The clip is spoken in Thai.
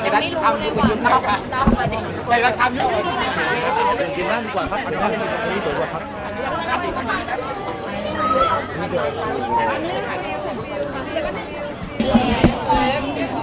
รสชี้ยังไง